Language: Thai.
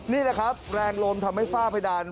นี่แหละครับแรงลมทำให้ฝ้าเพดาน